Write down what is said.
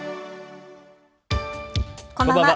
こんばんは。